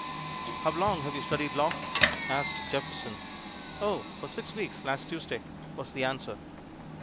"How long have you studied law?" asked Jefferson. "Oh, for six weeks last Tuesday," was the answer.